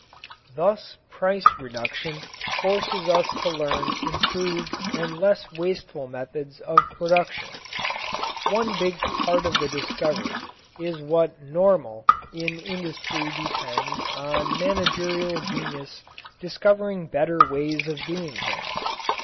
Thus price reduction forces us to learn improved and less wasteful methods of production. One big part of the discovery of what is "normal" in industry depends on managerial genius discovering better ways of doing things.